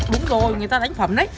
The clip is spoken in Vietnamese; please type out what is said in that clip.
đúng rồi người ta đánh phẩm đấy